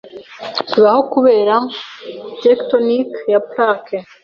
bibaho kubera tectoniki ya plaque